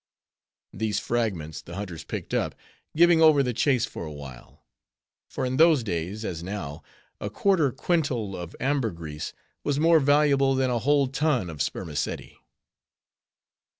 These fragments the hunters picked up, giving over the chase for a while. For in those days, as now, a quarter quintal of ambergris was more valuable than a whole ton of spermaceti."